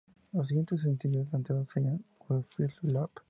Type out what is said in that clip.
Los siguientes sencillos lanzados serían "Who Feels Love?